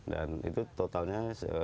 dan itu totalnya